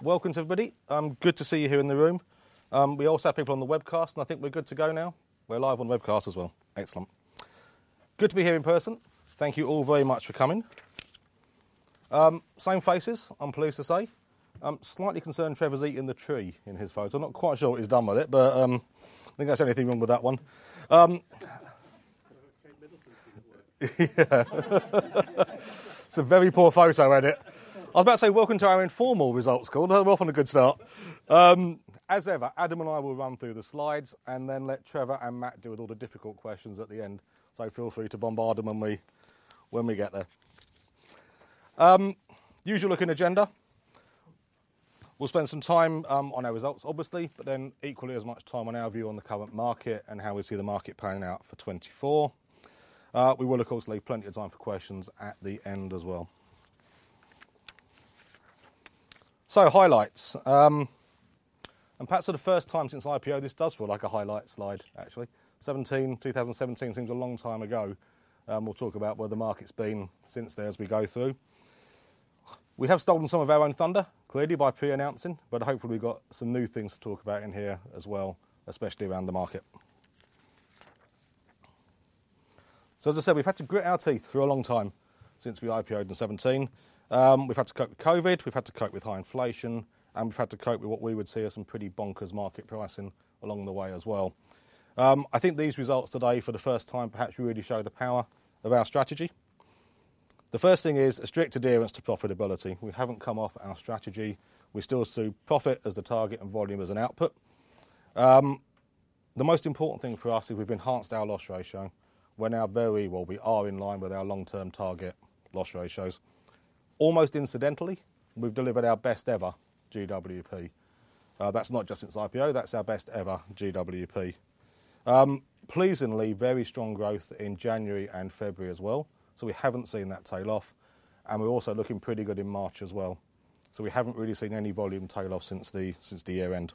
Welcome, everybody. Good to see you here in the room. We also have people on the webcast, and I think we're good to go now. We're live on the webcast as well. Excellent. Good to be here in person. Thank you all very much for coming. Same faces, I'm pleased to say. Slightly concerned Trevor's eating the tree in his photo. I'm not quite sure what he's done with it, but I think that's the only thing wrong with that one. Yeah. It's a very poor photo, ain't it? I was about to say, "Welcome to our informal results call." We're off on a good start. As ever, Adam and I will run through the slides and then let Trevor and Matt deal with all the difficult questions at the end. So feel free to bombard them when we get there. Usual-looking agenda. We'll spend some time on our results, obviously, but then equally as much time on our view on the current market and how we see the market panning out for 2024. We will, of course, leave plenty of time for questions at the end as well. So highlights. And perhaps for the first time since IPO, this does feel like a highlight slide, actually. 2017, 2017 seems a long time ago. We'll talk about where the market's been since there as we go through. We have stolen some of our own thunder, clearly by pre-announcing, but hopefully we've got some new things to talk about in here as well, especially around the market. So as I said, we've had to grit our teeth for a long time since we IPO'd in 2017. We've had to cope with COVID. We've had to cope with high inflation. And we've had to cope with what we would see as some pretty bonkers market pricing along the way as well. I think these results today, for the first time, perhaps really show the power of our strategy. The first thing is a strict adherence to profitability. We haven't come off our strategy. We still see profit as the target and volume as an output. The most important thing for us is we've enhanced our loss ratio. We're now very well; we are in line with our long-term target loss ratios. Almost incidentally, we've delivered our best-ever GWP. That's not just since IPO. That's our best-ever GWP. Pleasantly, very strong growth in January and February as well. So we haven't seen that tail off. We're also looking pretty good in March as well. So we haven't really seen any volume tail off since the year-end.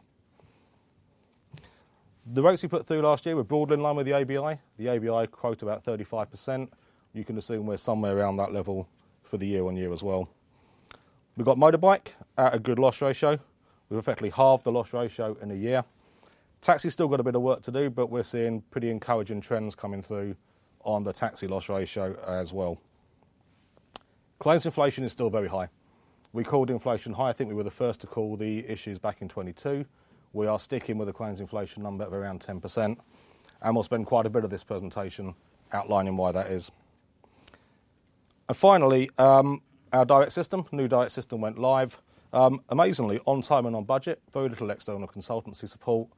The rates we put through last year were broadly in line with the ABI. The ABI quoted about 35%. You can assume we're somewhere around that level for the year-on-year as well. We've got motorcycle at a good loss ratio. We've effectively halved the loss ratio in a year. Taxi’s still got a bit of work to do, but we're seeing pretty encouraging trends coming through on the taxi loss ratio as well. Claims inflation is still very high. We called inflation high. I think we were the first to call the issues back in 2022. We are sticking with a claims inflation number of around 10%. We'll spend quite a bit of this presentation outlining why that is. Finally, our direct system, new direct system, went live. Amazingly, on time and on budget, very little external consultancy support.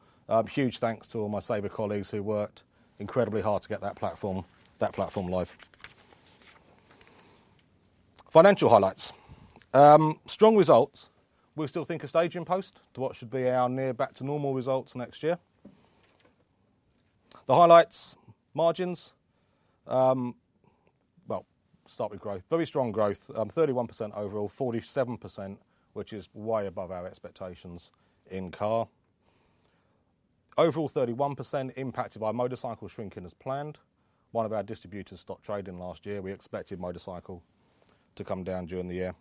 Huge thanks to all my Sabre colleagues who worked incredibly hard to get that platform live. Financial highlights. Strong results. We still think a staging post to what should be our near back-to-normal results next year. The highlights, margins. Well, start with growth. Very strong growth. 31% overall, 47%, which is way above our expectations in car. Overall, 31% impacted by motorcycle shrinking as planned. One of our distributors stopped trading last year. We expected motorcycle to come down during the year.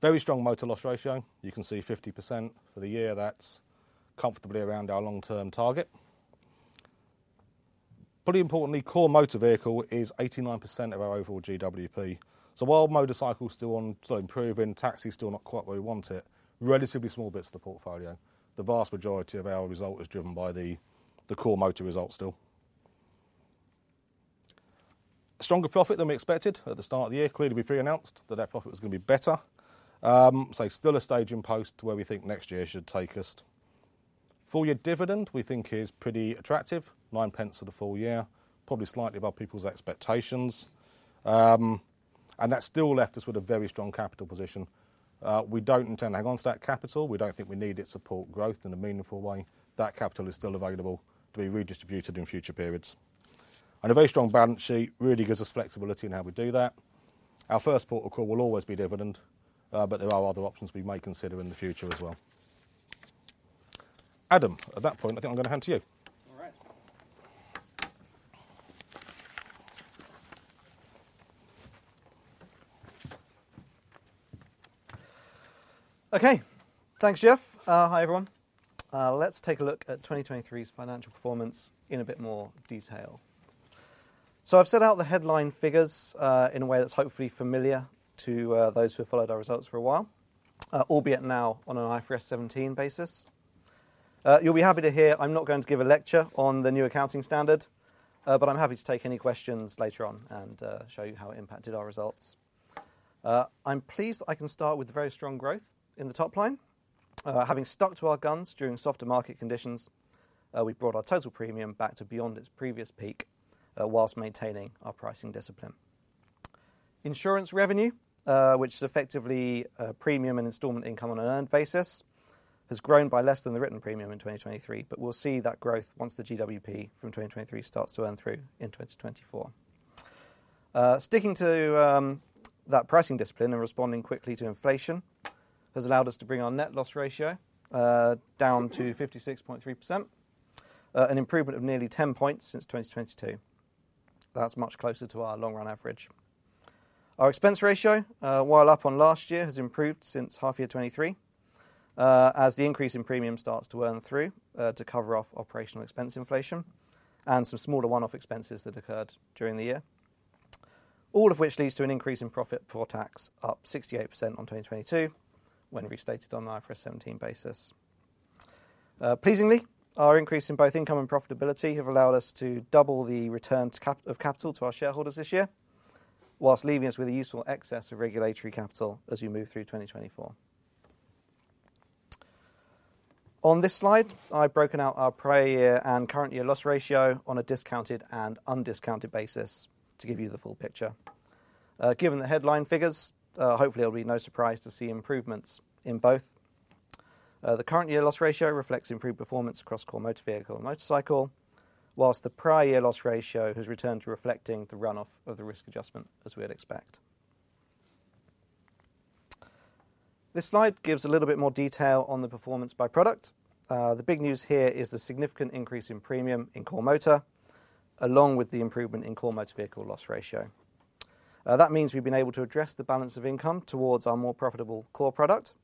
Very strong motor loss ratio. You can see 50% for the year. That's comfortably around our long-term target. Pretty importantly, core motor vehicle is 89% of our overall GWP. So while motorcycle's still on improving, taxi's still not quite where we want it, relatively small bits of the portfolio. The vast majority of our result is driven by the core motor results still. Stronger profit than we expected at the start of the year. Clearly, we pre-announced that that profit was going to be better. So still a staging post to where we think next year should take us. Full-year dividend, we think, is pretty attractive. 0.09 for the full year. Probably slightly above people's expectations. And that still left us with a very strong capital position. We don't intend to hang on to that capital. We don't think we need it to support growth in a meaningful way. That capital is still available to be redistributed in future periods. A very strong balance sheet really gives us flexibility in how we do that. Our first portfolio call will always be dividend, but there are other options we may consider in the future as well. Adam, at that point, I think I'm going to hand to you. All right. Okay. Thanks, Geoff. Hi, everyone. Let's take a look at 2023's financial performance in a bit more detail. I've set out the headline figures in a way that's hopefully familiar to those who have followed our results for a while, albeit now on an IFRS 17 basis. You'll be happy to hear I'm not going to give a lecture on the new accounting standard, but I'm happy to take any questions later on and show you how it impacted our results. I'm pleased that I can start with very strong growth in the top line. Having stuck to our guns during softer market conditions, we brought our total premium back to beyond its previous peak whilst maintaining our pricing discipline. Insurance revenue, which is effectively premium and installment income on an earned basis, has grown by less than the written premium in 2023. But we'll see that growth once the GWP from 2023 starts to earn through in 2024. Sticking to that pricing discipline and responding quickly to inflation has allowed us to bring our net loss ratio down to 56.3%, an improvement of nearly 10 points since 2022. That's much closer to our long-run average. Our expense ratio, while up on last year, has improved since half-year 2023 as the increase in premium starts to earn through to cover off operational expense inflation and some smaller one-off expenses that occurred during the year, all of which leads to an increase in profit for tax up 68% on 2022 when restated on an IFRS 17 basis. Pleasingly, our increase in both income and profitability have allowed us to double the return of capital to our shareholders this year whilst leaving us with a useful excess of regulatory capital as we move through 2024. On this slide, I've broken out our prior year and current year loss ratio on a discounted and undiscounted basis to give you the full picture. Given the headline figures, hopefully, it'll be no surprise to see improvements in both. The current year loss ratio reflects improved performance across core motor vehicle and motorcycle, whilst the prior year loss ratio has returned to reflecting the runoff of the risk adjustment as we would expect. This slide gives a little bit more detail on the performance by product. The big news here is the significant increase in premium in core motor, along with the improvement in core motor vehicle loss ratio. That means we've been able to address the balance of income towards our more profitable core product,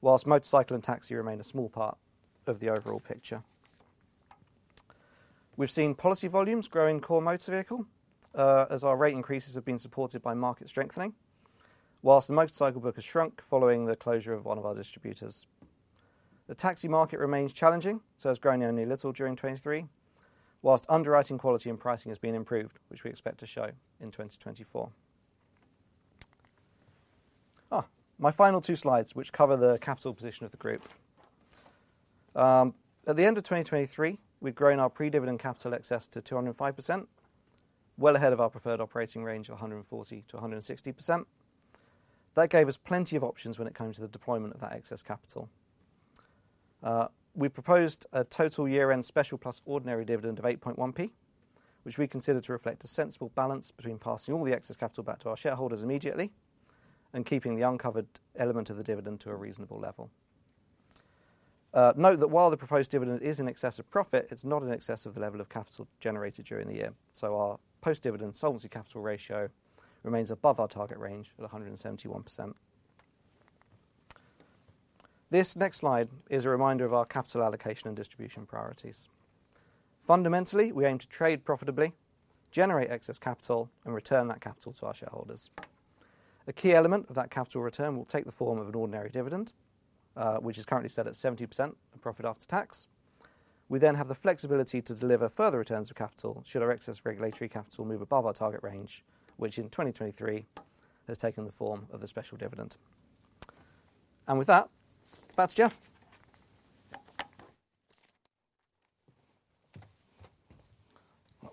whilst motorcycle and taxi remain a small part of the overall picture. We've seen policy volumes grow in core motor vehicle as our rate increases have been supported by market strengthening, whilst the motorcycle book has shrunk following the closure of one of our distributors. The taxi market remains challenging, so it's grown only little during 2023, whilst underwriting quality and pricing has been improved, which we expect to show in 2024. My final two slides, which cover the capital position of the group. At the end of 2023, we've grown our pre-dividend capital excess to 205%, well ahead of our preferred operating range of 140%-160%. That gave us plenty of options when it comes to the deployment of that excess capital. We proposed a total year-end special plus ordinary dividend of 8.1p, which we consider to reflect a sensible balance between passing all the excess capital back to our shareholders immediately and keeping the uncovered element of the dividend to a reasonable level. Note that while the proposed dividend is in excessive profit, it's not in excess of the level of capital generated during the year. So our post-dividend Solvency Capital Ratio remains above our target range at 171%. This next slide is a reminder of our capital allocation and distribution priorities. Fundamentally, we aim to trade profitably, generate excess capital, and return that capital to our shareholders. A key element of that capital return will take the form of an ordinary dividend, which is currently set at 70% profit after tax. We then have the flexibility to deliver further returns of capital should our excess regulatory capital move above our target range, which in 2023 has taken the form of the special dividend. And with that, back to Geoff.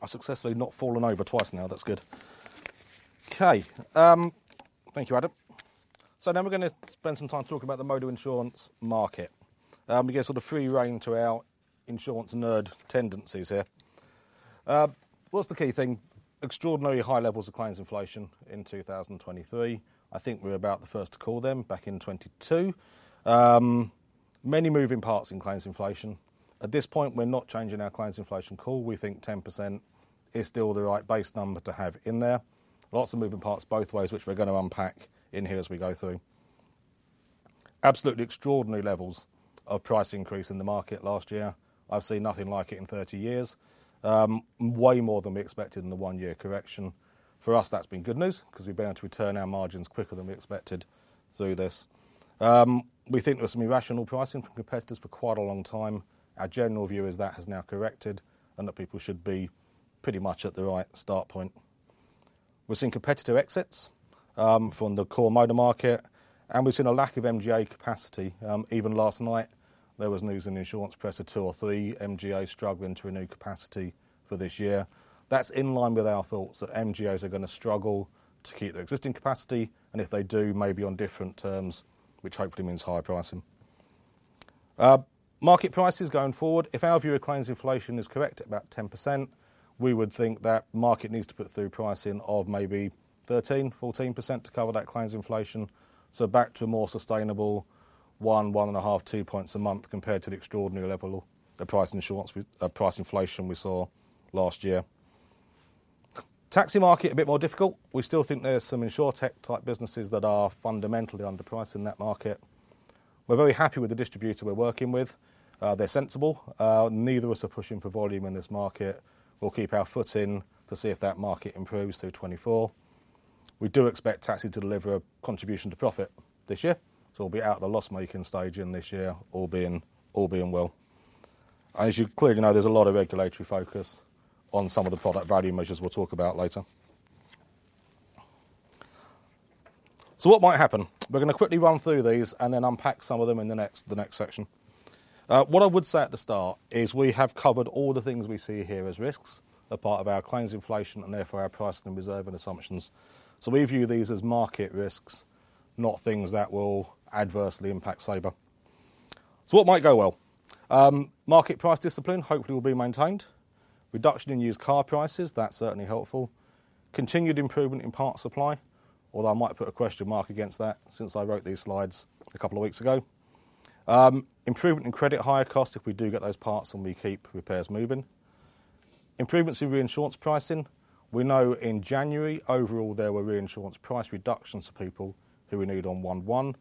I've successfully not fallen over twice now. That's good. Okay. Thank you, Adam. So now we're going to spend some time talking about the motor insurance market. We give sort of free rein to our insurance nerd tendencies here. What's the key thing? Extraordinarily high levels of claims inflation in 2023. I think we're about the first to call them back in 2022. Many moving parts in claims inflation. At this point, we're not changing our claims inflation call. We think 10% is still the right base number to have in there. Lots of moving parts both ways, which we're going to unpack in here as we go through. Absolutely extraordinary levels of price increase in the market last year. I've seen nothing like it in 30 years, way more than we expected in the one-year correction. For us, that's been good news because we've been able to return our margins quicker than we expected through this. We think there was some irrational pricing from competitors for quite a long time. Our general view is that has now corrected and that people should be pretty much at the right start point. We've seen competitor exits from the core motor market. And we've seen a lack of MGA capacity. Even last night, there was news in the insurance press of two or three MGAs struggling to renew capacity for this year. That's in line with our thoughts that MGAs are going to struggle to keep their existing capacity. If they do, maybe on different terms, which hopefully means higher pricing. Market prices going forward. If our view of claims inflation is correct at about 10%, we would think that market needs to put through pricing of maybe 13%-14% to cover that claims inflation. Back to a more sustainable 1, 1.5, 2 points a month compared to the extraordinary level of price inflation we saw last year. Taxi market, a bit more difficult. We still think there's some insurtech-type businesses that are fundamentally underpriced in that market. We're very happy with the distributor we're working with. They're sensible. Neither of us are pushing for volume in this market. We'll keep our foot in to see if that market improves through 2024. We do expect taxi to deliver a contribution to profit this year. So we'll be out of the loss-making stage in this year, all being well. As you clearly know, there's a lot of regulatory focus on some of the product value measures we'll talk about later. So what might happen? We're going to quickly run through these and then unpack some of them in the next section. What I would say at the start is we have covered all the things we see here as risks that are part of our claims inflation and therefore our pricing and reserving assumptions. So we view these as market risks, not things that will adversely impact Sabre. So what might go well? Market price discipline hopefully will be maintained. Reduction in used car prices, that's certainly helpful. Continued improvement in parts supply, although I might put a question mark against that since I wrote these slides a couple of weeks ago. Improvement in credit hire cost if we do get those parts and we keep repairs moving. Improvements in reinsurance pricing. We know in January, overall, there were reinsurance price reductions to people who we need on 1/1.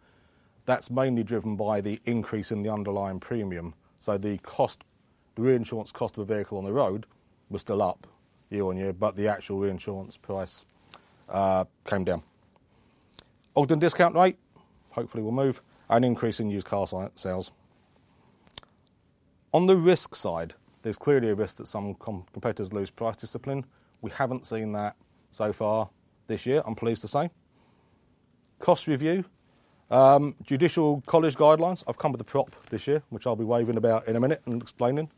That's mainly driven by the increase in the underlying premium. So the reinsurance cost of a vehicle on the road was still up year-on-year, but the actual reinsurance price came down. Ogden Discount Rate, hopefully, will move and increase in used car sales. On the risk side, there's clearly a risk that some competitors lose price discipline. We haven't seen that so far this year, I'm pleased to say. Cost review. Judicial College Guidelines, I've come with a prop this year, which I'll be waving about in a minute and explaining.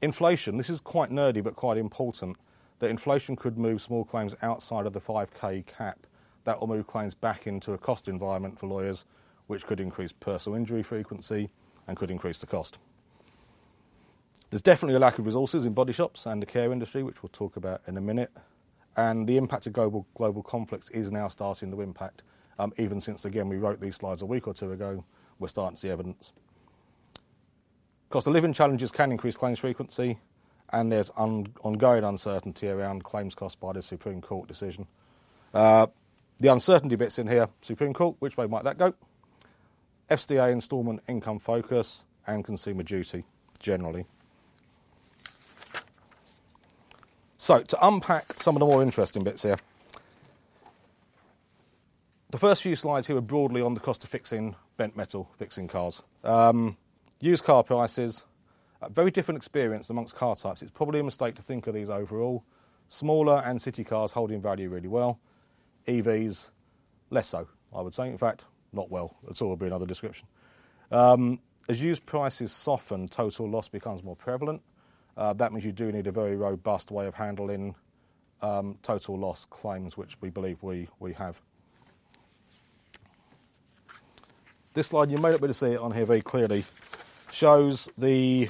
Inflation, this is quite nerdy but quite important. That inflation could move small claims outside of the 5,000 cap. That will move claims back into a cost environment for lawyers, which could increase personal injury frequency and could increase the cost. There's definitely a lack of resources in body shops and the care industry, which we'll talk about in a minute. The impact of global conflicts is now starting to impact. Even since, again, we wrote these slides a week or two ago, we're starting to see evidence. Because the living challenges can increase claims frequency. There's ongoing uncertainty around claims costs by the Supreme Court decision. The uncertainty bits in here, Supreme Court, which way might that go? FCA installment income focus and Consumer Duty, generally. So to unpack some of the more interesting bits here. The first few slides here were broadly on the cost of fixing bent metal, fixing cars. Used car prices, a very different experience among car types. It's probably a mistake to think of these overall. Smaller and city cars holding value really well. EVs, less so, I would say. In fact, not well. That's awful would be another description. As used prices soften, total loss becomes more prevalent. That means you do need a very robust way of handling total loss claims, which we believe we have. This slide, you may not be able to see it on here very clearly, shows the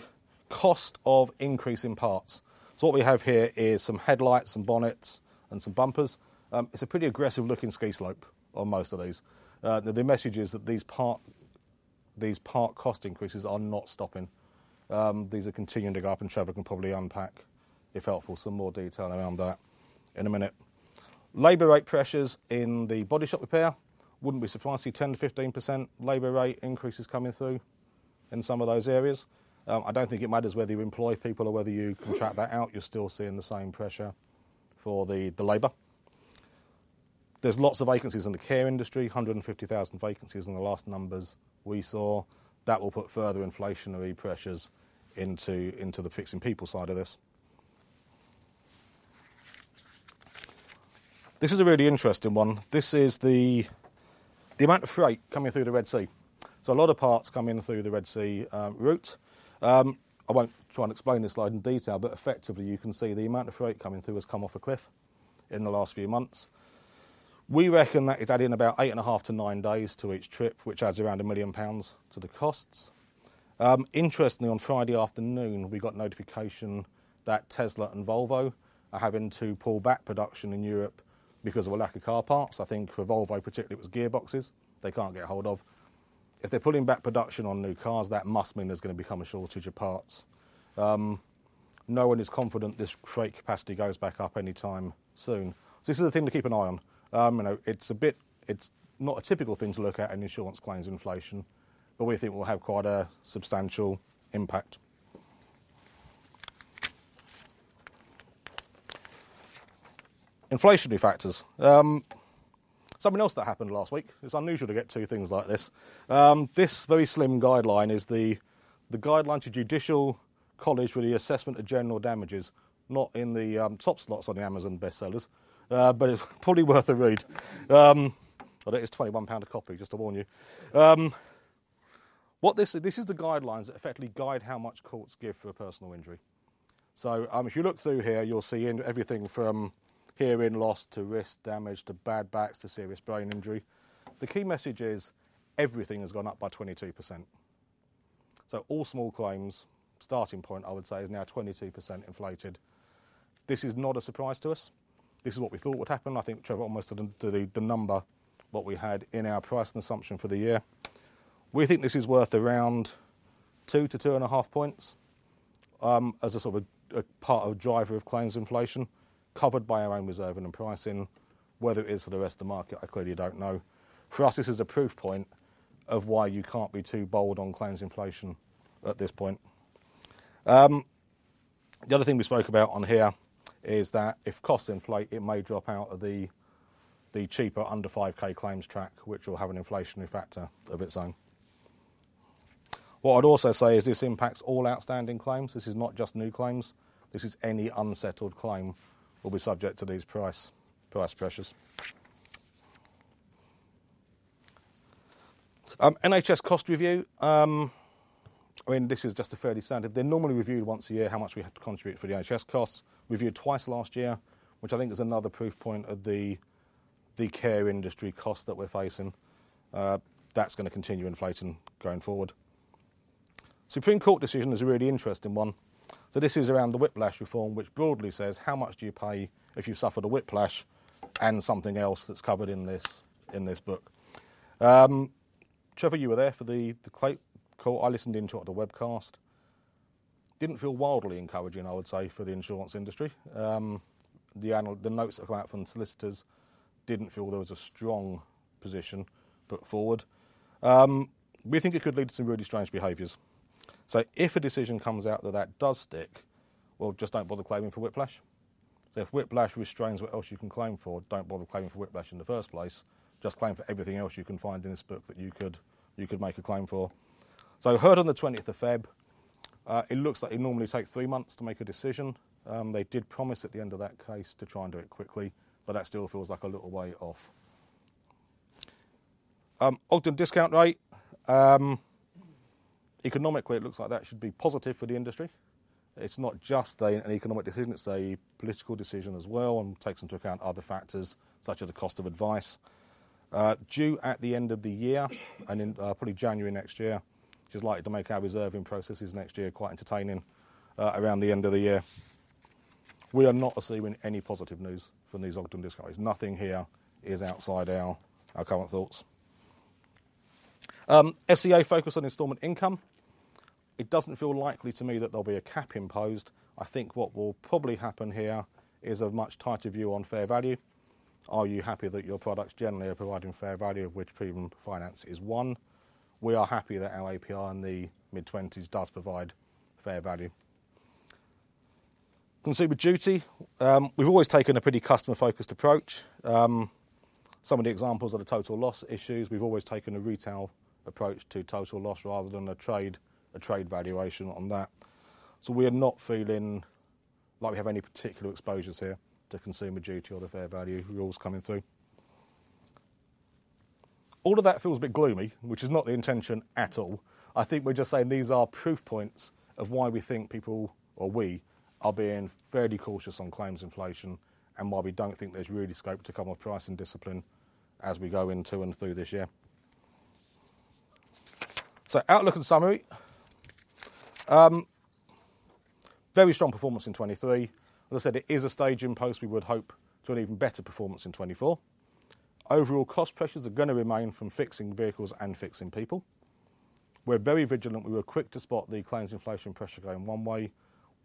cost of increase in parts. So what we have here is some headlights, some bonnets, and some bumpers. It's a pretty aggressive-looking ski slope on most of these. The message is that these part cost increases are not stopping. These are continuing to go up, and Trevor can probably unpack, if helpful, some more detail around that in a minute. Labour rate pressures in the body shop repair wouldn't be surprising. 10%-15% Labour rate increases coming through in some of those areas. I don't think it matters whether you employ people or whether you contract that out. You're still seeing the same pressure for the labour. There's lots of vacancies in the care industry, 150,000 vacancies in the last numbers we saw. That will put further inflationary pressures into the fixing people side of this. This is a really interesting one. This is the amount of freight coming through the Red Sea. So a lot of parts come in through the Red Sea route. I won't try and explain this slide in detail, but effectively, you can see the amount of freight coming through has come off a cliff in the last few months. We reckon that it's adding about 8.5-9 days to each trip, which adds around 1 million pounds to the costs. Interestingly, on Friday afternoon, we got notification that Tesla and Volvo are having to pull back production in Europe because of a lack of car parts. I think for Volvo particularly, it was gearboxes they can't get a hold of. If they're pulling back production on new cars, that must mean there's going to become a shortage of parts. No one is confident this freight capacity goes back up anytime soon. So this is a thing to keep an eye on. It's not a typical thing to look at in insurance claims inflation, but we think it will have quite a substantial impact. Inflationary factors. Something else that happened last week. It's unusual to get two things like this. This very slim guideline is the guideline to Judicial College with the assessment of general damages, not in the top slots on the Amazon bestsellers, but it's probably worth a read. I think it's 21 pound a copy, just to warn you. This is the guidelines that effectively guide how much courts give for a personal injury. So if you look through here, you'll see everything from hearing loss to wrist damage to bad backs to serious brain injury. The key message is everything has gone up by 22%. So all small claims starting point, I would say, is now 22% inflated. This is not a surprise to us. This is what we thought would happen. I think Trevor almost did the number what we had in our pricing assumption for the year. We think this is worth around 2-2.5 points as a sort of part of driver of claims inflation covered by our own reserving and pricing, whether it is for the rest of the market, I clearly don't know. For us, this is a proof point of why you can't be too bold on claims inflation at this point. The other thing we spoke about on here is that if costs inflate, it may drop out of the cheaper under 5K claims track, which will have an inflationary factor of its own. What I'd also say is this impacts all outstanding claims. This is not just new claims. This is any unsettled claim will be subject to these price pressures. NHS cost review. I mean, this is just a fairly standard. They're normally reviewed once a year how much we have to contribute for the NHS costs. Reviewed twice last year, which I think is another proof point of the care industry cost that we're facing. That's going to continue inflating going forward. Supreme Court decision is a really interesting one. So this is around the whiplash reform, which broadly says how much do you pay if you've suffered a whiplash and something else that's covered in this book. Trevor, you were there for the court. I listened into it on the webcast. Didn't feel wildly encouraging, I would say, for the insurance industry. The notes that come out from solicitors didn't feel there was a strong position put forward. We think it could lead to some really strange behaviors. So if a decision comes out that that does stick, well, just don't bother claiming for whiplash. So if whiplash restrains what else you can claim for, don't bother claiming for whiplash in the first place. Just claim for everything else you can find in this book that you could make a claim for. So heard on the 20th of February. It looks like it normally takes three months to make a decision. They did promise at the end of that case to try and do it quickly, but that still feels like a little way off. Ogden discount rate. Economically, it looks like that should be positive for the industry. It's not just an economic decision. It's a political decision as well and takes into account other factors such as the cost of advice. Due at the end of the year and probably January next year, which is likely to make our reserving processes next year quite entertaining around the end of the year. We are not receiving any positive news from these Ogden discounts. Nothing here is outside our current thoughts. FCA focus on installment income. It doesn't feel likely to me that there'll be a cap imposed. I think what will probably happen here is a much tighter view on Fair Value. Are you happy that your products generally are providing Fair Value, of which premium finance is one? We are happy that our APR in the mid-20s does provide Fair Value. Consumer Duty. We've always taken a pretty customer-focused approach. Some of the examples are the total loss issues. We've always taken a retail approach to total loss rather than a trade valuation on that. So we are not feeling like we have any particular exposures here to Consumer Duty or the Fair Value rules coming through. All of that feels a bit gloomy, which is not the intention at all. I think we're just saying these are proof points of why we think people or we are being fairly cautious on claims inflation and why we don't think there's really scope to come with pricing discipline as we go into and through this year. So outlook and summary. Very strong performance in 2023. As I said, it is a staging post we would hope to an even better performance in 2024. Overall cost pressures are going to remain from fixing vehicles and fixing people. We're very vigilant. We were quick to spot the claims inflation pressure going one way.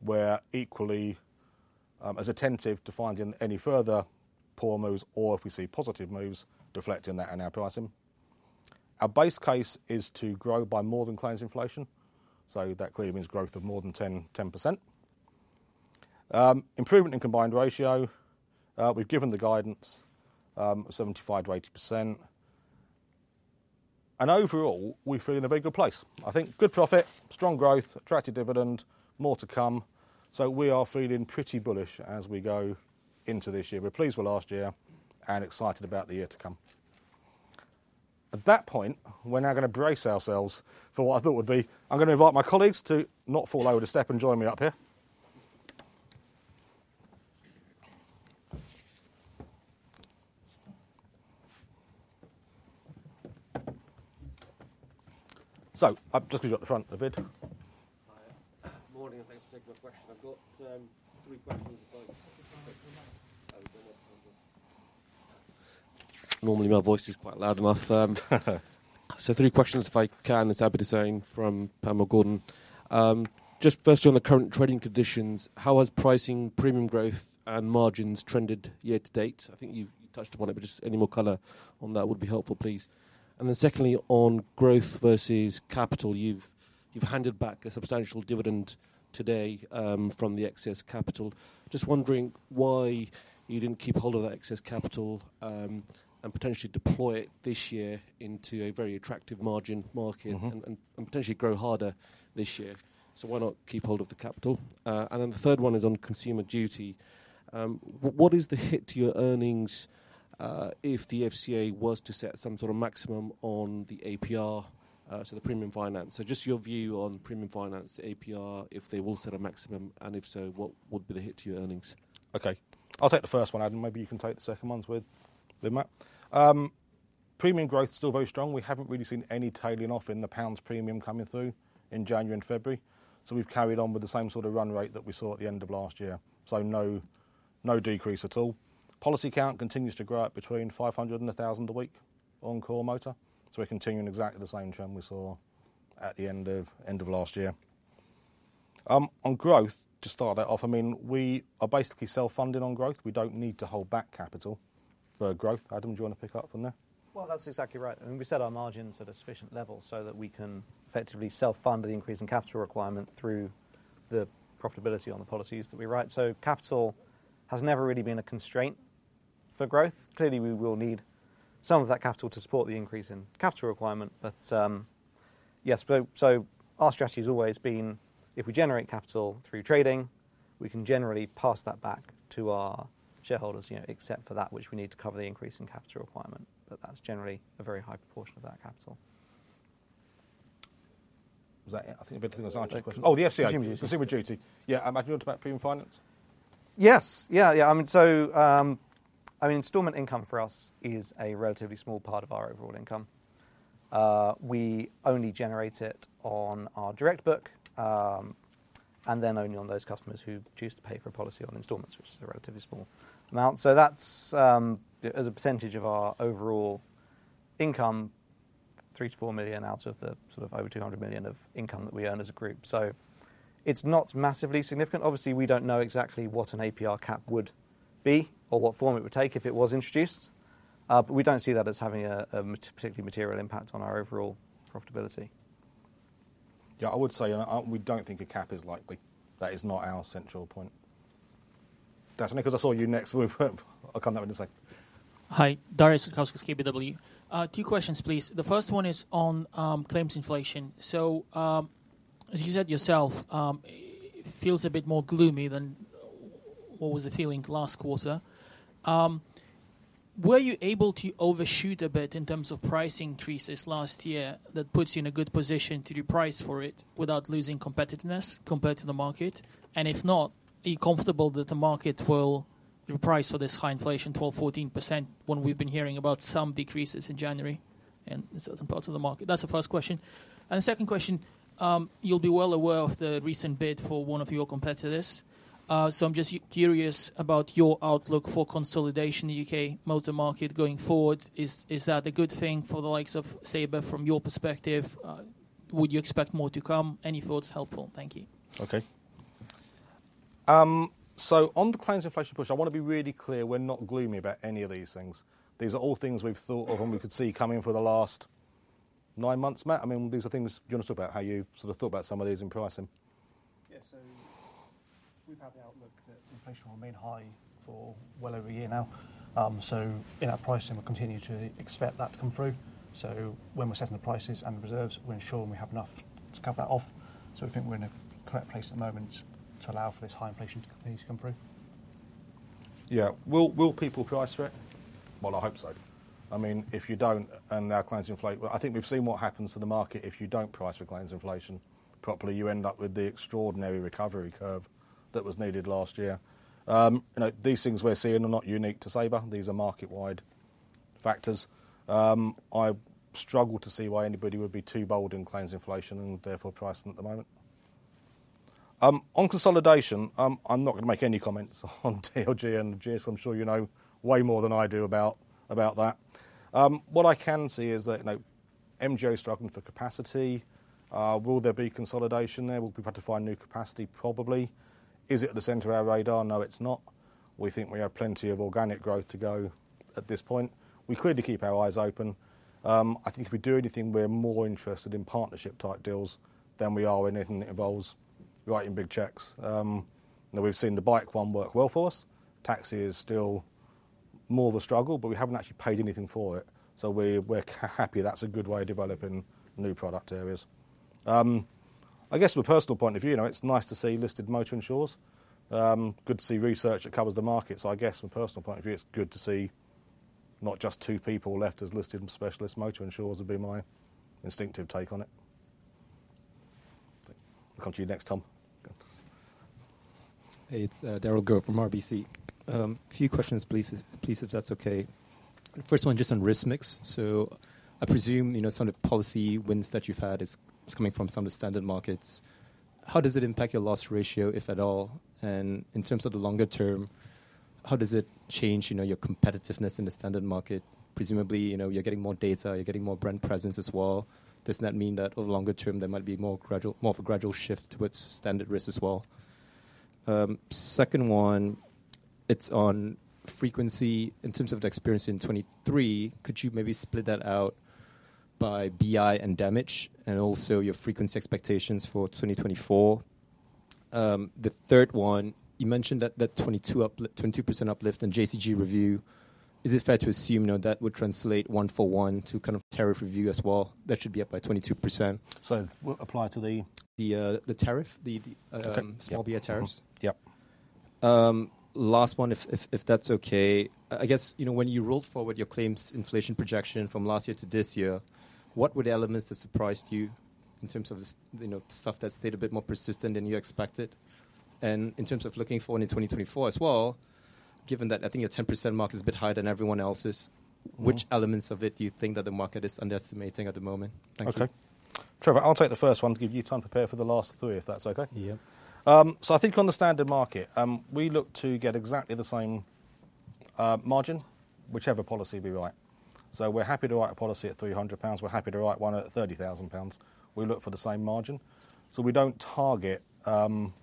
We're equally as attentive to finding any further poor moves or if we see positive moves reflecting that in our pricing. Our base case is to grow by more than claims inflation. So that clearly means growth of more than 10%. Improvement in combined ratio. We've given the guidance of 75%-80%. Overall, we feel in a very good place. I think good profit, strong growth, attractive dividend, more to come. We are feeling pretty bullish as we go into this year. We're pleased with last year and excited about the year to come. At that point, we're now going to brace ourselves for what I thought would be I'm going to invite my colleagues to not fall over the step and join me up here. So just because you're at the front a bit. Morning, and thanks for taking my question. I've got three questions if I can. Normally, my voice is quite loud enough. So three questions if I can, Abid Hussain from Panmure Gordon. Just firstly, on the current trading conditions, how has pricing, premium growth, and margins trended year to date? I think you touched upon it, but just any more color on that would be helpful, please. And then secondly, on growth versus capital, you've handed back a substantial dividend today from the excess capital. Just wondering why you didn't keep hold of that excess capital and potentially deploy it this year into a very attractive margin market and potentially grow harder this year. So why not keep hold of the capital? And then the third one is on Consumer Duty. What is the hit to your earnings if the FCA was to set some sort of maximum on the APR, so the premium finance? Just your view on premium finance, the APR, if they will set a maximum, and if so, what would be the hit to your earnings? Okay. I'll take the first one, Adam. Maybe you can take the second ones with Matt? Premium growth is still very strong. We haven't really seen any tailing off in the pounds premium coming through in January and February. So we've carried on with the same sort of run rate that we saw at the end of last year. So no decrease at all. Policy count continues to grow up between 500 and 1,000 a week on core motor. So we're continuing exactly the same trend we saw at the end of last year. On growth, to start that off, I mean, we are basically self-funding on growth. We don't need to hold back capital for growth. Adam, do you want to pick up from there? Well, that's exactly right. I mean, we set our margins at a sufficient level so that we can effectively self-fund the increase in capital requirement through the profitability on the policies that we write. So capital has never really been a constraint for growth. Clearly, we will need some of that capital to support the increase in capital requirement. But yes, so our strategy has always been if we generate capital through trading, we can generally pass that back to our shareholders, except for that, which we need to cover the increase in capital requirement. But that's generally a very high proportion of that capital. I think I better think I was answering the question. Oh, the FCA. Consumer Duty. Yeah. And do you want to talk about premium finance? Yes. Yeah. Yeah. I mean, so I mean, installment income for us is a relatively small part of our overall income. We only generate it on our direct book and then only on those customers who choose to pay for a policy on installments, which is a relatively small amount. So that's as a percentage of our overall income, 3 million-4 million out of the sort of over 200 million of income that we earn as a group. So it's not massively significant. Obviously, we don't know exactly what an APR cap would be or what form it would take if it was introduced. But we don't see that as having a particularly material impact on our overall profitability. Yeah. I would say we don't think a cap is likely. That is not our central point. That's only because I saw your next move. I'll come to that in a sec. Hi. Darius Satkauskas, KBW. Two questions, please. The first one is on claims inflation. So as you said yourself, it feels a bit more gloomy than what was the feeling last quarter. Were you able to overshoot a bit in terms of price increases last year that puts you in a good position to reprice for it without losing competitiveness compared to the market? And if not, are you comfortable that the market will reprice for this high inflation, 12%, 14%, when we've been hearing about some decreases in January in certain parts of the market? That's the first question. And the second question, you'll be well aware of the recent bid for one of your competitors. So I'm just curious about your outlook for consolidation in the UK motor market going forward. Is that a good thing for the likes of Sabre from your perspective? Would you expect more to come? Any thoughts? Helpful. Thank you. Okay. So on the claims inflation push, I want to be really clear. We're not gloomy about any of these things. These are all things we've thought of and we could see coming for the last nine months, Matt. I mean, these are things do you want to talk about how you sort of thought about some of these in pricing? Yeah. So we've had the outlook that inflation will remain high for well over a year now. So in our pricing, we continue to expect that to come through. So when we're setting the prices and the reserves, we're ensuring we have enough to cover that off. So we think we're in a correct place at the moment to allow for this high inflation to continue to come through. Yeah. Will people price for it? Well, I hope so. I mean, if you don't and our claims inflate I think we've seen what happens to the market. If you don't price for claims inflation properly, you end up with the extraordinary recovery curve that was needed last year. These things we're seeing are not unique to Sabre. These are market-wide factors. I struggle to see why anybody would be too bold in claims inflation and therefore pricing at the moment. On consolidation, I'm not going to make any comments on DLG and Ageas. I'm sure you know way more than I do about that. What I can see is that MGA is struggling for capacity. Will there be consolidation there? Will we have to find new capacity? Probably. Is it at the center of our radar? No, it's not. We think we have plenty of organic growth to go at this point. We clearly keep our eyes open. I think if we do anything, we're more interested in partnership-type deals than we are in anything that involves writing big checks. Now, we've seen the bike one work well for us. Taxi is still more of a struggle, but we haven't actually paid anything for it. So we're happy that's a good way of developing new product areas. I guess from a personal point of view, it's nice to see listed motor insurers. Good to see research that covers the market. So I guess from a personal point of view, it's good to see not just two people left as listed specialists. Motor insurers would be my instinctive take on it. I'll come to you next, Tom. Hey. It's Darragh Quinn from RBC. A few questions, please, if that's okay. First one, just on risk mix. So I presume some of the policy wins that you've had is coming from some of the standard markets. How does it impact your loss ratio, if at all? And in terms of the longer term, how does it change your competitiveness in the standard market? Presumably, you're getting more data. You're getting more brand presence as well. Does that mean that over the longer term, there might be more of a gradual shift towards standard risk as well? Second one, it's on frequency. In terms of the experience in 2023, could you maybe split that out by BI and damage and also your frequency expectations for 2024? The third one, you mentioned that 22% uplift in JCG review. Is it fair to assume that would translate one-for-one to kind of tariff review as well? That should be up by 22%. So it would apply to the? The tariff, the small BI tariff. Okay. Yep. Last one, if that's okay. I guess when you rolled forward your claims inflation projection from last year to this year, what were the elements that surprised you in terms of the stuff that stayed a bit more persistent than you expected? In terms of looking forward into 2024 as well, given that I think your 10% mark is a bit higher than everyone else's, which elements of it do you think that the market is underestimating at the moment? Thank you. Okay. Trevor, I'll take the first one to give you time to prepare for the last three, if that's okay. Yeah. So I think on the standard market, we look to get exactly the same margin, whichever policy we write. So we're happy to write a policy at 300 pounds. We're happy to write one at 30,000 pounds. We look for the same margin. So we don't target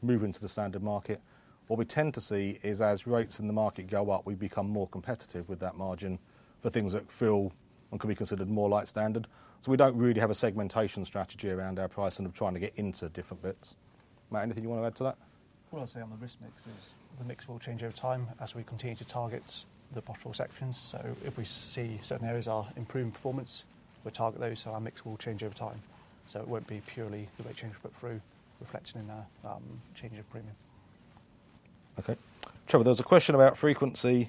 moving to the standard market. What we tend to see is as rates in the market go up, we become more competitive with that margin for things that feel and could be considered more light standard. So we don't really have a segmentation strategy around our pricing of trying to get into different bits. Matt, anything you want to add to that? What I'll say on the risk mix is the mix will change over time as we continue to target the profitable sections. So if we see certain areas are improving performance, we'll target those. So our mix will change over time. So it won't be purely the rate change we put through reflecting in our change of premium. Okay. Trevor, there was a question about frequency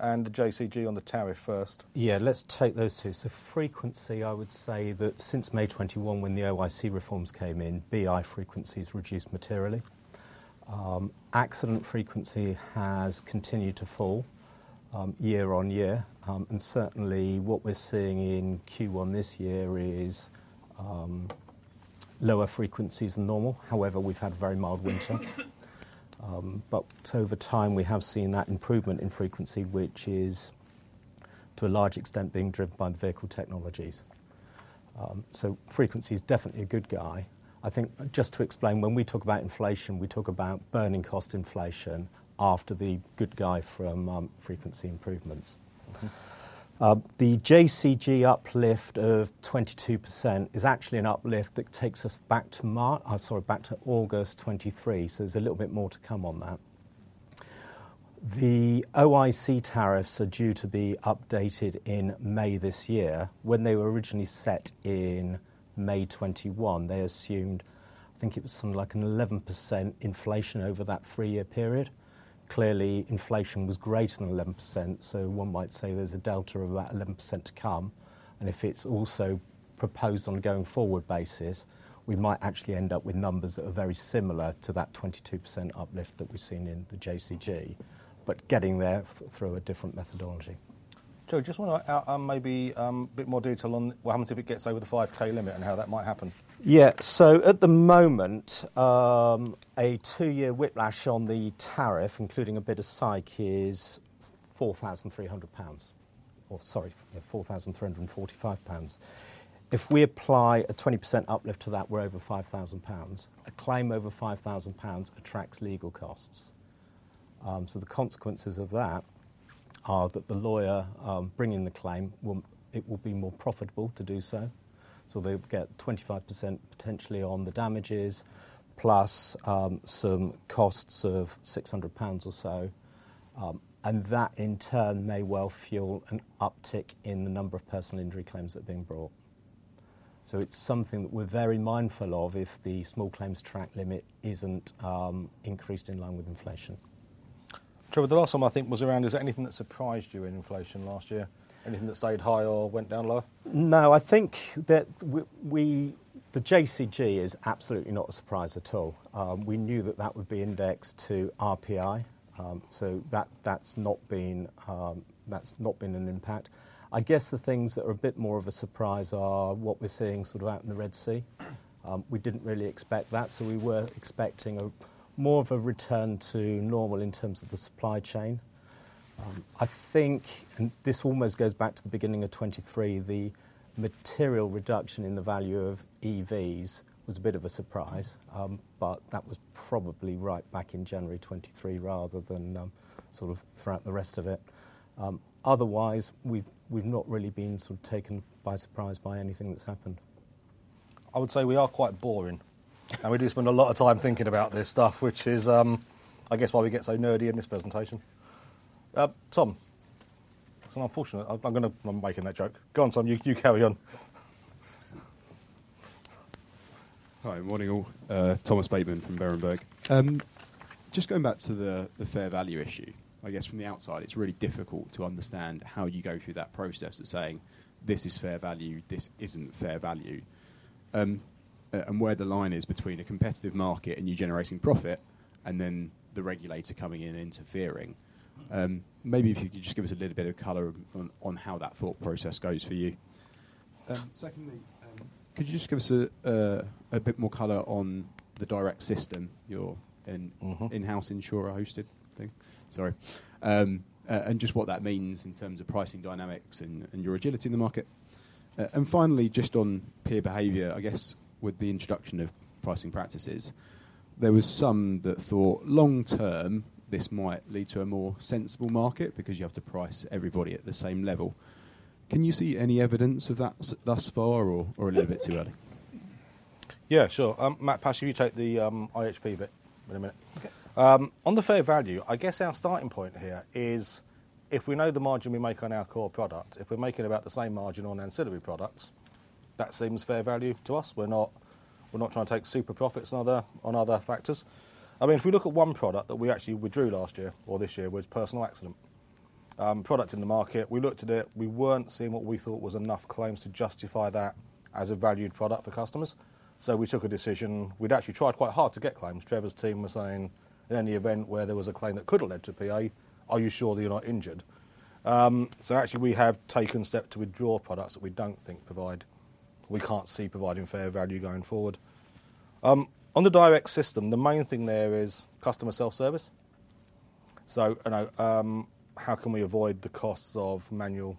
and the JCG on the tariff first. Yeah. Let's take those two. So frequency, I would say that since May 2021, when the OIC reforms came in, BI frequency has reduced materially. Accident frequency has continued to fall year-on-year. And certainly, what we're seeing in Q1 this year is lower frequencies than normal. However, we've had very mild winter. But over time, we have seen that improvement in frequency, which is to a large extent being driven by the vehicle technologies. So frequency is definitely a good guy. I think just to explain, when we talk about inflation, we talk about burning cost inflation after the good guy from frequency improvements. The JCG uplift of 22% is actually an uplift that takes us back to March sorry, back to August 2023. So there's a little bit more to come on that. The OIC tariffs are due to be updated in May this year. When they were originally set in May 2021, they assumed I think it was something like an 11% inflation over that three-year period. Clearly, inflation was greater than 11%. So one might say there's a delta of about 11% to come. And if it's also proposed on a going forward basis, we might actually end up with numbers that are very similar to that 22% uplift that we've seen in the JCG, but getting there through a different methodology. Trevor, just want to add maybe a bit more detail on what happens if it gets over the 5,000 limit and how that might happen. Yeah. So at the moment, a two-year whiplash on the tariff, including a bit of psych, is 4,300 pounds or sorry, 4,345 pounds. If we apply a 20% uplift to that, we're over 5,000 pounds. A claim over 5,000 pounds attracts legal costs. So the consequences of that are that the lawyer bringing the claim, it will be more profitable to do so. So they'll get 25% potentially on the damages plus some costs of 600 pounds or so. And that, in turn, may well fuel an uptick in the number of personal injury claims that are being brought. So it's something that we're very mindful of if the Small Claims Track limit isn't increased in line with inflation. Trevor, the last one I think was around, is there anything that surprised you in inflation last year? Anything that stayed high or went down lower? No. I think that the JCG is absolutely not a surprise at all. We knew that that would be indexed to RPI. So that's not been an impact. I guess the things that are a bit more of a surprise are what we're seeing sort of out in the Red Sea. We didn't really expect that. So we were expecting more of a return to normal in terms of the supply chain. I think, and this almost goes back to the beginning of 2023, the material reduction in the value of EVs was a bit of a surprise. But that was probably right back in January 2023 rather than sort of throughout the rest of it. Otherwise, we've not really been sort of taken by surprise by anything that's happened. I would say we are quite boring. We do spend a lot of time thinking about this stuff, which is I guess why we get so nerdy in this presentation. Tom? It's unfortunate. I'm making that joke. Go on, Tom. You carry on. Hi. Good morning, all. Thomas Bateman from Berenberg. Just going back to the fair value issue, I guess from the outside, it's really difficult to understand how you go through that process of saying, "This is fair value. This isn't fair value," and where the line is between a competitive market and you generating profit and then the regulator coming in and interfering. Maybe if you could just give us a little bit of color on how that thought process goes for you. Secondly, could you just give us a bit more color on the direct system, your in-house insurer-hosted thing? Sorry. And just what that means in terms of pricing dynamics and your agility in the market. And finally, just on peer behaviour, I guess with the introduction of pricing practices, there was some that thought long-term, this might lead to a more sensible market because you have to price everybody at the same level. Can you see any evidence of that thus far or a little bit too early? Yeah. Sure. Matt, pass you. You take the IHP bit in a minute. On the fair value, I guess our starting point here is if we know the margin we make on our core product, if we're making about the same margin on ancillary products, that seems fair value to us. We're not trying to take super profits on other factors. I mean, if we look at one product that we actually withdrew last year or this year was personal accident. Product in the market. We looked at it. We weren't seeing what we thought was enough claims to justify that as a valued product for customers. So we took a decision. We'd actually tried quite hard to get claims. Trevor's team was saying, "In any event where there was a claim that could have led to PA, are you sure that you're not injured?" So actually, we have taken steps to withdraw products that we don't think provide. We can't see providing fair value going forward. On the direct system, the main thing there is customer self-service. So how can we avoid the costs of manual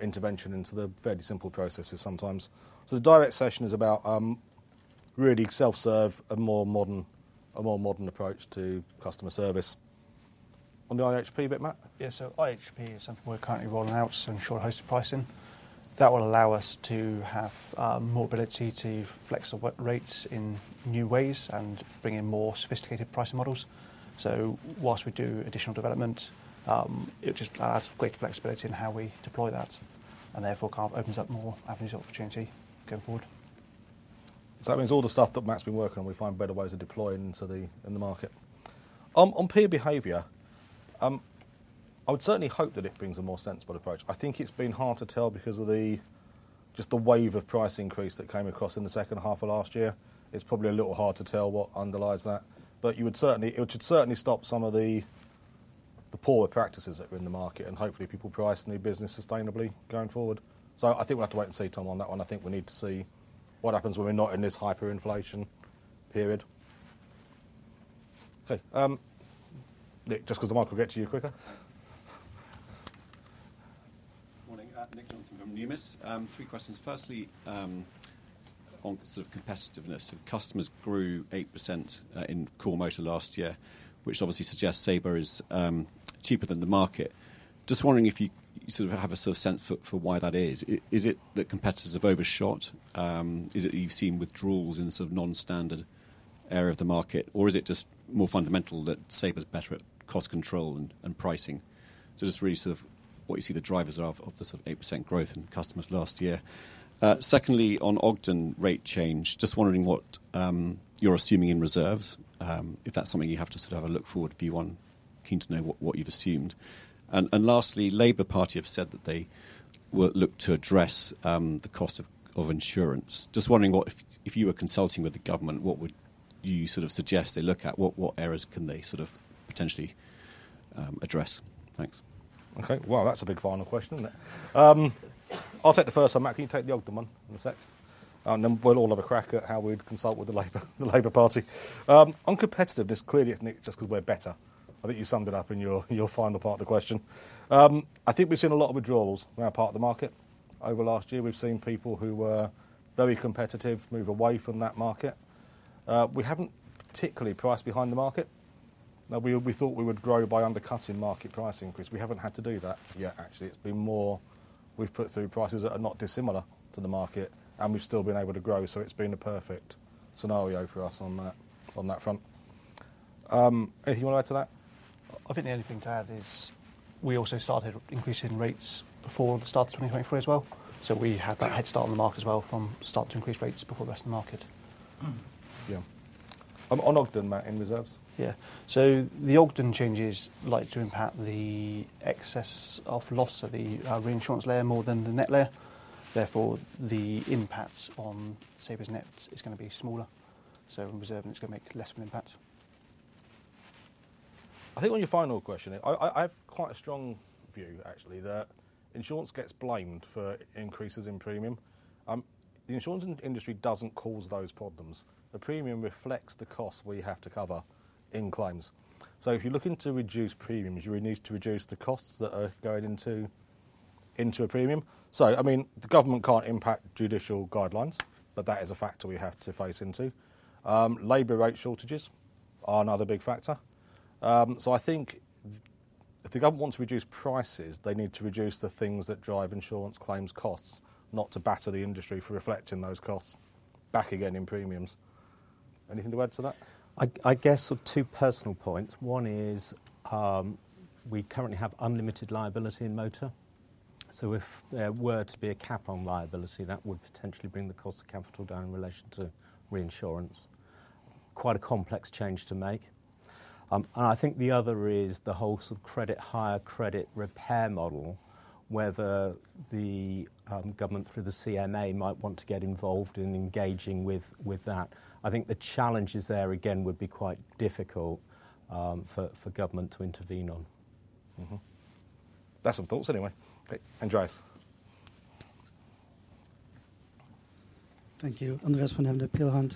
intervention into the fairly simple processes sometimes? So the direct session is about really self-serve, a more modern approach to customer service. On the IHP bit, Matt? Yeah. So IHP is something we're currently rolling out, so insurer-hosted pricing. That will allow us to have more ability to flexible rates in new ways and bring in more sophisticated pricing models. So whilst we do additional development, it just adds great flexibility in how we deploy that and therefore kind of opens up more avenues of opportunity going forward. So that means all the stuff that Matt's been working on, we find better ways of deploying into the market. On peer behaviour, I would certainly hope that it brings a more sensible approach. I think it's been hard to tell because of just the wave of price increase that came across in the second half of last year. It's probably a little hard to tell what underlies that. But it should certainly stop some of the poorer practices that are in the market and hopefully people price new business sustainably going forward. So I think we'll have to wait and see, Tom, on that one. I think we need to see what happens when we're not in this hyperinflation period. Okay. Just because the mic will get to you quicker. Good morning. Nick Johnson from Numis. Three questions. Firstly, on sort of competitiveness. So customers grew 8% in core motor last year, which obviously suggests Sabre is cheaper than the market. Just wondering if you sort of have a sort of sense for why that is. Is it that competitors have overshot? Is it that you've seen withdrawals in the sort of non-standard area of the market, or is it just more fundamental that Sabre is better at cost control and pricing? So just really sort of what you see the drivers are of the sort of 8% growth in customers last year. Secondly, on Ogden rate change, just wondering what you're assuming in reserves, if that's something you have to sort of have a look forward view on, keen to know what you've assumed. Lastly, Labour Party have said that they will look to address the cost of insurance. Just wondering if you were consulting with the government, what would you sort of suggest they look at? What areas can they sort of potentially address? Thanks. Okay. Wow, that's a big final question, isn't it? I'll take the first one. Matt, can you take the Ogden one in a sec? And then we'll all have a crack at how we'd consult with the Labour Party. On competitiveness, clearly, Nick, just because we're better. I think you summed it up in your final part of the question. I think we've seen a lot of withdrawals from our part of the market over the last year. We've seen people who were very competitive move away from that market. We haven't particularly priced behind the market. Now, we thought we would grow by undercutting market price increase. We haven't had to do that yet, actually. It's been more we've put through prices that are not dissimilar to the market, and we've still been able to grow. So it's been a perfect scenario for us on that front. Anything you want to add to that? I think the only thing to add is we also started increasing rates before the start of 2023 as well. We had that head start in the market as well from starting to increase rates before the rest of the market. Yeah. On Ogden, Matt, in reserves? Yeah. So the Ogden changes like to impact the excess of loss of the reinsurance layer more than the net layer. Therefore, the impact on Sabre's nets is going to be smaller. So in reserve, it's going to make less of an impact. I think on your final question, I have quite a strong view, actually, that insurance gets blamed for increases in premium. The insurance industry doesn't cause those problems. The premium reflects the costs we have to cover in claims. So if you're looking to reduce premiums, you need to reduce the costs that are going into a premium. So I mean, the government can't impact judicial guidelines, but that is a factor we have to factor into. Labour rate shortages are another big factor. So I think if the government wants to reduce prices, they need to reduce the things that drive insurance claims costs, not to batter the industry for reflecting those costs back again in premiums. Anything to add to that? I guess sort of two personal points. One is we currently have unlimited liability in motor. So if there were to be a cap on liability, that would potentially bring the cost of capital down in relation to reinsurance. Quite a complex change to make. And I think the other is the whole sort of credit hire model, whether the government through the CMA might want to get involved in engaging with that. I think the challenges there, again, would be quite difficult for government to intervene on. That's some thoughts anyway. Andreas. Thank you. Andreas van Embden, Peel Hunt,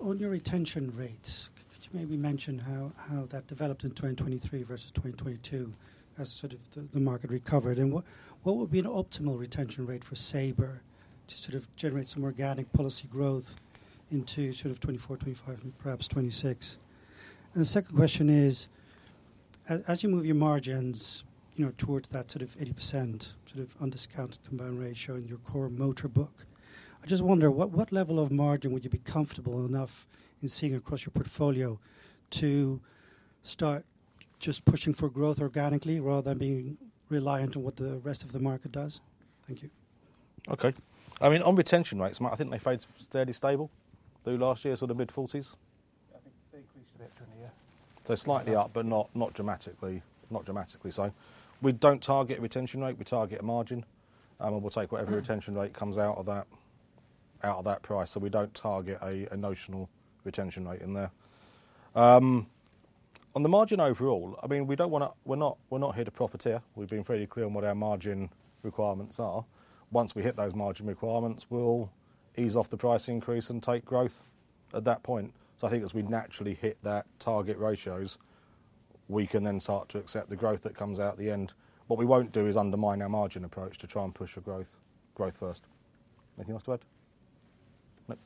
on your retention rates, could you maybe mention how that developed in 2023 versus 2022 as sort of the market recovered? And what would be an optimal retention rate for Sabre to sort of generate some organic policy growth into sort of 2024, 2025, and perhaps 2026? And the second question is, as you move your margins towards that sort of 80% sort of undiscounted combined ratio in your core motor book, I just wonder, what level of margin would you be comfortable enough in seeing across your portfolio to start just pushing for growth organically rather than being reliant on what the rest of the market does? Thank you. Okay. I mean, on retention rates, Matt, I think they stayed stable through last year sort of mid-40s. Yeah. I think they increased a bit during the year. So slightly up, but not dramatically. Not dramatically, so. We don't target a retention rate. We target a margin. And we'll take whatever retention rate comes out of that price. So we don't target a notional retention rate in there. On the margin overall, I mean, we're not here to profiteer. We've been fairly clear on what our margin requirements are. Once we hit those margin requirements, we'll ease off the price increase and take growth at that point. So I think as we naturally hit that target ratios, we can then start to accept the growth that comes out at the end. What we won't do is undermine our margin approach to try and push for growth first. Anything else to add? Nope.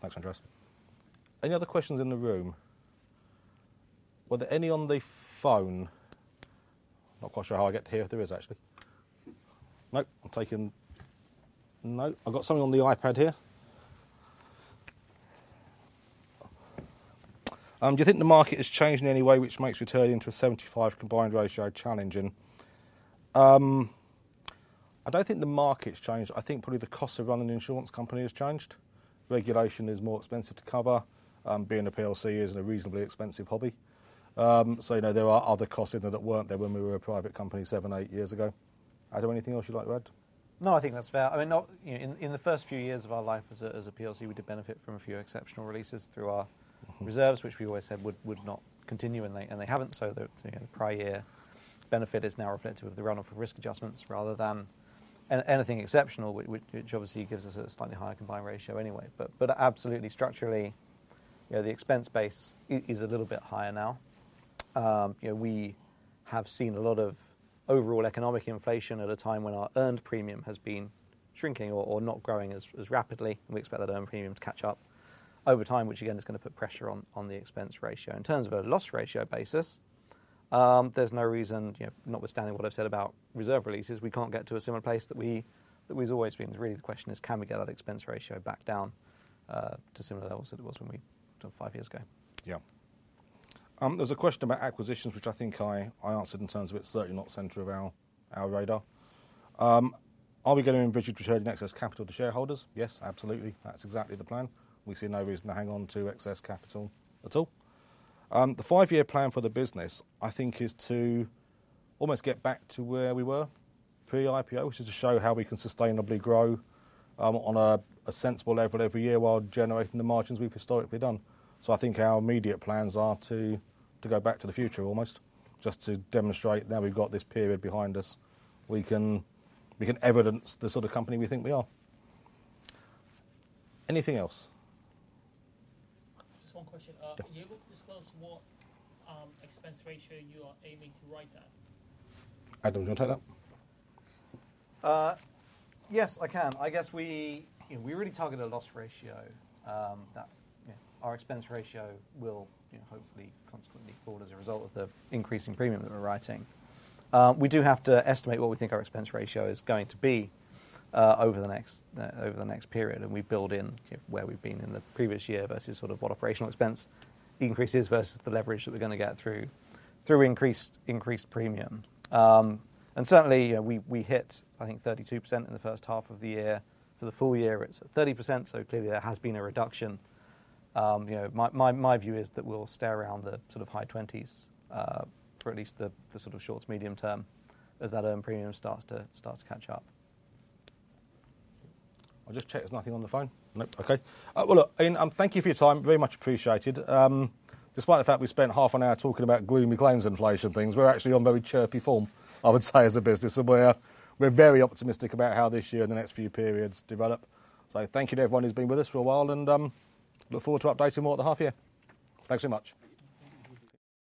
Thanks, Andreas. Any other questions in the room? Were there any on the phone? Not quite sure how I get to hear if there is, actually. Nope. I've got something on the iPad here. Do you think the market has changed in any way which makes returning to a 75 combined ratio challenging? I don't think the market's changed. I think probably the cost of running insurance companies has changed. Regulation is more expensive to cover. Being a PLC is a reasonably expensive hobby. So there are other costs in there that weren't there when we were a private company 7, 8 years ago. Adam, anything else you'd like to add? No, I think that's fair. I mean, in the first few years of our life as a PLC, we did benefit from a few exceptional releases through our reserves, which we always said would not continue. And they haven't. So the prior year benefit is now reflective of the run-off of risk adjustments rather than anything exceptional, which obviously gives us a slightly higher combined ratio anyway. But absolutely, structurally, the expense base is a little bit higher now. We have seen a lot of overall economic inflation at a time when our earned premium has been shrinking or not growing as rapidly. And we expect that earned premium to catch up over time, which, again, is going to put pressure on the expense ratio. In terms of a loss ratio basis, there's no reason notwithstanding what I've said about reserve releases, we can't get to a similar place that we've always been to. Really, the question is, can we get that expense ratio back down to similar levels that it was when we were five years ago? Yeah. There's a question about acquisitions, which I think I answered in terms of it's certainly not center of our radar. Are we going to envisage returning excess capital to shareholders? Yes, absolutely. That's exactly the plan. We see no reason to hang on to excess capital at all. The five-year plan for the business, I think, is to almost get back to where we were pre-IPO, which is to show how we can sustainably grow on a sensible level every year while generating the margins we've historically done. So I think our immediate plans are to go back to the future almost just to demonstrate now we've got this period behind us. We can evidence the sort of company we think we are. Anything else? Just one question. Are you able to disclose what expense ratio you are aiming to write at? Adam, do you want to take that? Yes, I can. I guess we really target a loss ratio that our expense ratio will hopefully consequently fall as a result of the increasing premium that we're writing. We do have to estimate what we think our expense ratio is going to be over the next period. And we build in where we've been in the previous year versus sort of what operational expense increases versus the leverage that we're going to get through increased premium. And certainly, we hit, I think, 32% in the first half of the year. For the full year, it's 30%. So clearly, there has been a reduction. My view is that we'll stay around the sort of high 20s for at least the sort of short to medium term as that earned premium starts to catch up. I'll just check. There's nothing on the phone? Nope. Okay. Well, look, Iain, thank you for your time. Very much appreciated. Despite the fact we spent half an hour talking about gloomy claims inflation things, we're actually on very chirpy form, I would say, as a business. And we're very optimistic about how this year and the next few periods develop. So thank you to everyone who's been with us for a while. And look forward to updating more at the half-year. Thanks very much.